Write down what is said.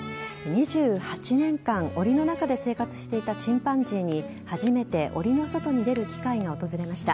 ２８年間おりの中で生活していたチンパンジーに初めておりの外に出る機会が訪れました。